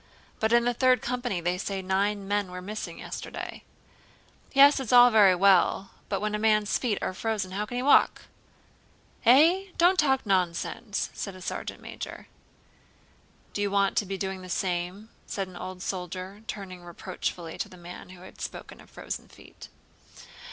"But in the Third Company they say nine men were missing yesterday." "Yes, it's all very well, but when a man's feet are frozen how can he walk?" "Eh? Don't talk nonsense!" said a sergeant major. "Do you want to be doing the same?" said an old soldier, turning reproachfully to the man who had spoken of frozen feet.